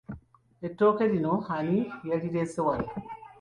Ettooke lino ani yalireese wano?